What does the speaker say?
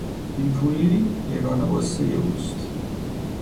بیپولی یگانه غصهی او است.